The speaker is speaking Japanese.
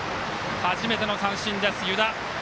初めての三振です、湯田。